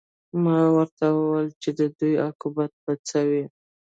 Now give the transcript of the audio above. ما ورته وویل چې د دوی عاقبت به څه وي